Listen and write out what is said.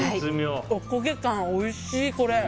おこげ感おいしい、これ。